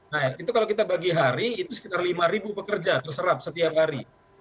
nah itu kalau kita bagi hari itu sekitar lima pekerja terserap setiap hari